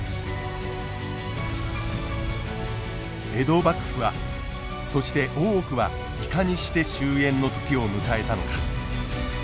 江戸幕府はそして大奥はいかにして終えんの時を迎えたのか。